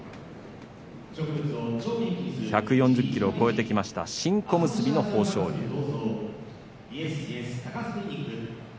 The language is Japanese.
１４０ｋｇを超えてきました新小結の豊昇龍。